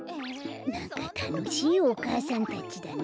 なんかたのしいおかあさんたちだね。